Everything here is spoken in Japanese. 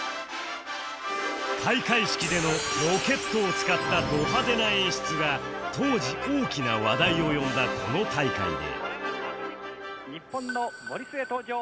開会式でのロケットを使ったド派手な演出が当時大きな話題を呼んだこの大会で